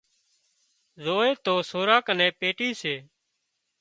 زووي تو سوران ڪنين پيٽي سي